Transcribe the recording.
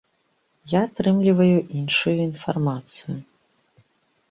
Я атрымліваю іншую інфармацыю.